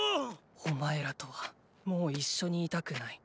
お前らとはもう一緒にいたくない。